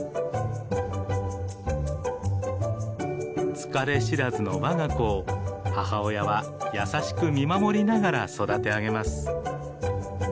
疲れ知らずのわが子を母親は優しく見守りながら育て上げます。